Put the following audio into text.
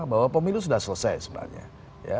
bahwa pemilu sudah selesai sebenarnya